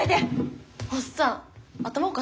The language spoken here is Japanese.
おっさん頭